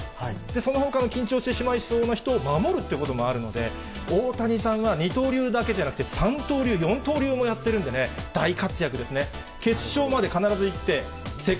そのほかの緊張してしまいそうな人を守るってこともあるので、大谷さんは二刀流だけじゃなくて、三刀流、四とうりゅうもやってるのでね、大活躍ですね。